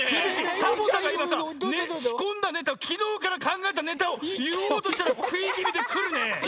サボさんがいまさしこんだネタをきのうからかんがえたネタをいおうとしたらくいぎみでくるね。